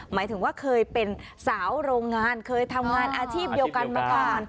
หมายถึงว่าเคยเป็นสาวโรงงานเคยทำงานอาชีพเดียวกันมาก่อน